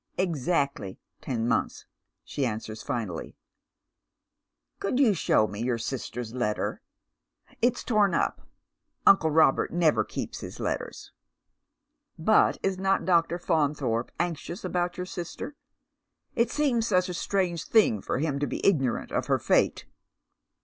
" Exactly ten months," she answers finally. " Could you show me your sister's letter ?"" It's torn up. Uncle Robert never keeps his letters." " But is not Dr. Faunthorpe anxious about your sister ? It seems such a strange thing for hinj to be ignorant of her fate."